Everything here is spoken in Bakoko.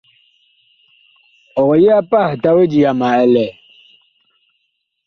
Ɔg yi a pah tawedi yama ɛ lɛ ?